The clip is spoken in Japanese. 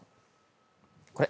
これ。